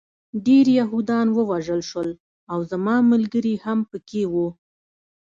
ډېر یهودان ووژل شول او زما ملګري هم پکې وو